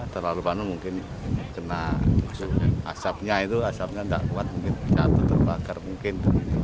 terlalu panas mungkin kena asapnya itu asapnya tidak kuat mungkin satu terbakar mungkin